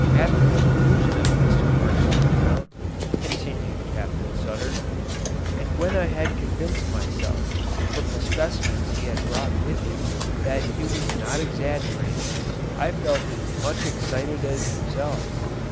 "At the conclusion of Mr. Marshall's account," continued Captain Sutter, "and when I had convinced myself, from the specimens he had brought with him, that it was not exaggerated, I felt as much excited as himself.